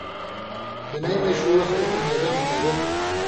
دُنئ مژ ݜُو وخ ایک اندازاں مطابق